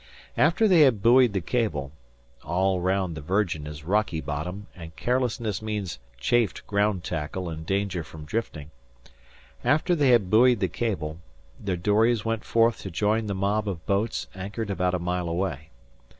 After they had buoyed the cable all around the Virgin is rocky bottom, and carelessness means chafed ground tackle and danger from drifting after they had buoyed the cable, their dories went forth to join the mob of boats anchored about a mile away.